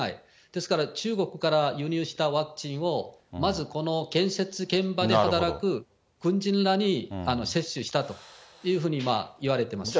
ですから、中国から輸入したワクチンを、まずこの建設現場で働く軍人らに接種したというふうにいわれてます。